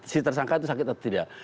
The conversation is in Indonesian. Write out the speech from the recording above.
si tersangka itu sakit atau tidak